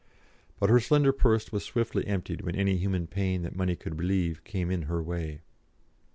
But her slender purse was swiftly emptied when any human pain that money could relieve came in her way.